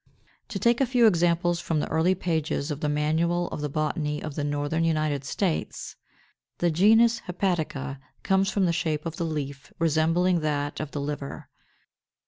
To take a few examples from the early pages of the "Manual of the Botany of the Northern United States," the genus Hepatica comes from the shape of the leaf, resembling that of the liver.